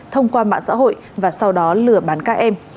thông qua mạng xã hội và sau đó lừa bán các em